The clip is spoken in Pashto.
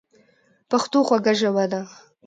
پښتو خوږه ژبه ده